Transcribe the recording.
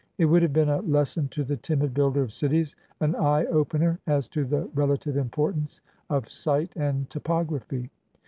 It would have been a lesson to the timid builder of cities— an eye opener as to the relative importance of site and topography.